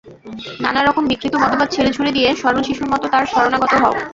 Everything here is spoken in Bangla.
নানা রকম বিকৃত মতবাদ ছেড়ে-ছুড়ে দিয়ে সরল শিশুর মত তাঁর শরণাগত হও।